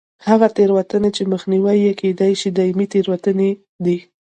هغه تېروتنې چې مخنیوی یې کېدای شي دایمي تېروتنې دي.